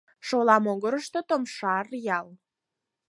Шола могырышто — Томшар ял.